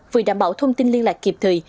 vì đảm bảo thông tin liên lạc kịp thời